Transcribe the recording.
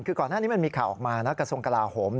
คือก่อนหน้านี้มันมีข่าวออกมานะกระทรวงกลาโหม